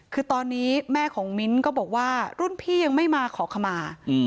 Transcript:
คือตอนนี้แม่ของมิ้นท์ก็บอกว่ารุ่นพี่ยังไม่มาขอขมา